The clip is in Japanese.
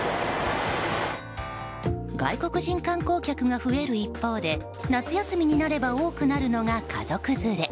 外国人観光客が増える一方で夏休みになれば多くなるのが家族連れ。